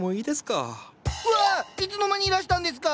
いつの間にいらしたんですか？